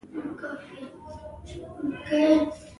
باچایي یې ده.